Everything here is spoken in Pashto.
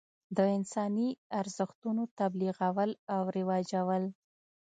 د انساني ارزښتونو تبلیغول او رواجول.